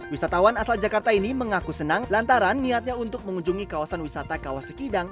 wisatawan asal jakarta ini mengaku senang lantaran niatnya untuk mengunjungi kawasan wisata kawah sekidang